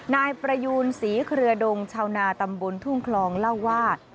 นายประยูนศรีเครือดงชาวนาตำบลทุ่งคลองเล่าว่า